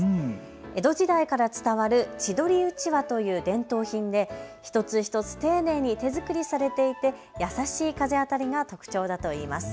江戸時代から伝わる千鳥うちわという伝統品で一つ一つ丁寧に手作りされていて優しい風当たりが特徴だと言います。